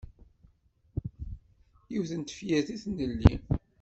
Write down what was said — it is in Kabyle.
Yiwet n tefyirt i tnelli.